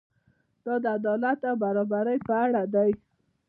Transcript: دا د عدالت او برابرۍ په اړه دی.